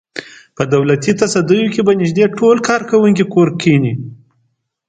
په دولتي تصدیو کې به نږدې ټول کارکوونکي کور کېني.